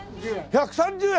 １３０円！？